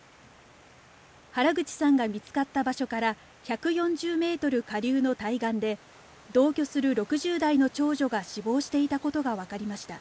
原口さんが見つかった場所から１４０メートル下流の対岸で、同居する６０代の長女が死亡していたことが分かりました。